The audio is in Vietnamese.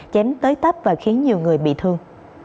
chém tới tắp và khiến nhiều người bị thương